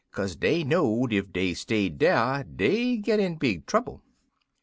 Kase dey know'd ef dey stayed dar dey'd git in big trouble.